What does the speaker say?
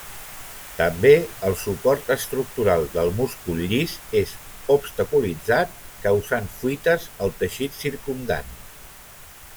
També, el suport estructural del múscul llis és obstaculitzat, causant fuites al teixit circumdant.